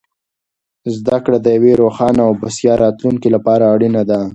زده کړه د یوې روښانه او بسیا راتلونکې لپاره اړینه ده.